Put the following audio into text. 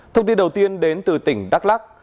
thông tin đầu tiên đến từ tỉnh đắk lắc